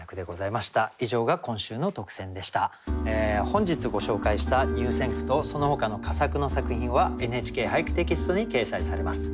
本日ご紹介した入選句とそのほかの佳作の作品は「ＮＨＫ俳句」テキストに掲載されます。